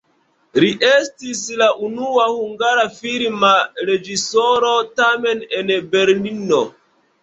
Li estis la unua hungara filma reĝisoro, tamen en Berlino.